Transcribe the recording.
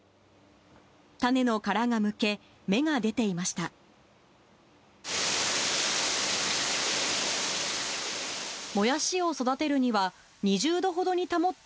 種の殻がむけ、芽が出ていました。